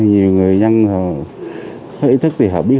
nhiều người dân có ý thức thì họ biết